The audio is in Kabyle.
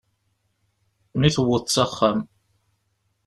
Mi tewweḍ s axxam.